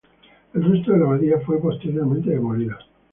El resto de la abadía fue posteriormente demolida.